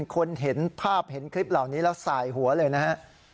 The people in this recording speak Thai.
คนเห็นภาพเห็นคลิปเหล่านี้แล้วสายหัวเลยนะฮะ